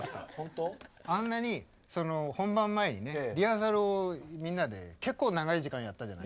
あんなにその本番前にねリハーサルをみんなで結構長い時間やったじゃない？